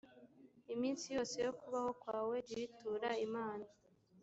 iminsi yose yo kubaho kwawe jyuyitura imana.